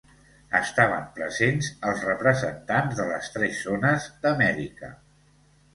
Estaven presents els representants de les tres zones d'Amèrica.